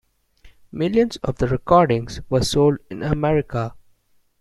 Millions of the recordings were sold in America.